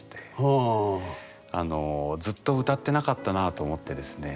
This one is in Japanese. ずっと歌ってなかったなあと思ってですね